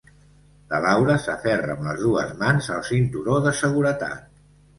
La Laura s'aferra amb les dues mans al cinturó de seguretat.